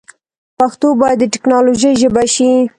پښتو باید د ټیکنالوجۍ ژبه شي.